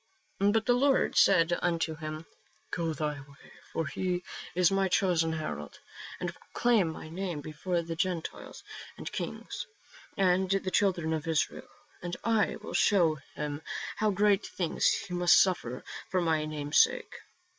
But the Lord said unto him, " Go thy way : for he is my chosen herald, to proclaim my name before the Gentiles, and kings, and the Children of Israel : and I will show him how great things he must suffer for my name's sake."